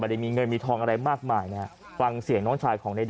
ได้มีเงินมีทองอะไรมากมายนะฮะฟังเสียงน้องชายของในด